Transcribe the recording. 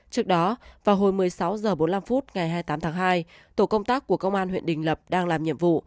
trước đó vào hồi một mươi sáu h bốn mươi năm ngày hai mươi tám tháng hai tổ công tác của công an huyện đình lập đang làm nhiệm vụ